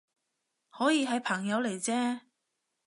可以係朋友嚟啫